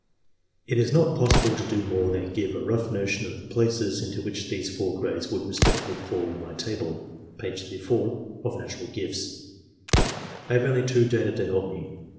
It is not possible to do more than give a rough notion of the places into which these four grades would respec tively fall in my table (p. 30) of natural gifts. I have 298 OARSMEN only two data to help me.